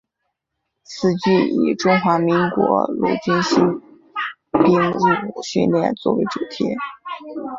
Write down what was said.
此剧以中华民国陆军新兵入伍训练作为主题。